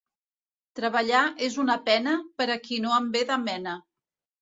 Treballar és una pena per a qui no en ve de mena.